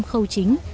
năm khâu chính